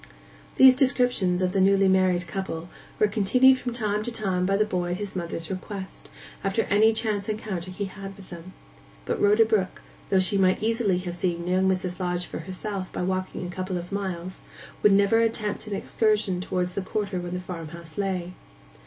These descriptions of the newly married couple were continued from time to time by the boy at his mother's request, after any chance encounter he had had with them. But Rhoda Brook, though she might easily have seen young Mrs. Lodge for herself by walking a couple of miles, would never attempt an excursion towards the quarter where the farmhouse lay.